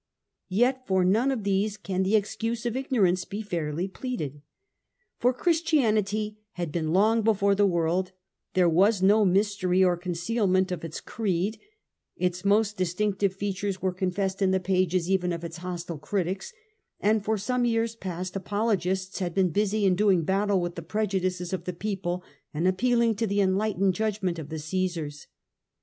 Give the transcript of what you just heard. Yet for none of these can the ex cuse of ignorance be fairly pleaded. For Christianity had been long before the world ; there was no mystery or concealment of its creed ; its most distinctive features were confessed in the pages even of its hostile critics, and for some years past Apologists had been busy in doing battle with the prejudices of the people, and ap pealing to the enlightened judgment of the Caesars.